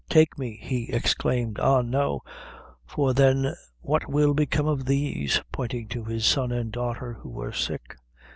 "Take me," he exclaimed; "ah, no; for then what will become of these?" pointing to his son and daughter, who were sick.